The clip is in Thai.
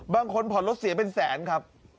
ผ่อนรถเสียเป็นแสนครับ